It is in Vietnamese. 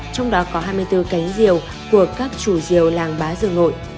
trong đó có hai mươi bốn cánh diều của các chủ diều làng bá dương nội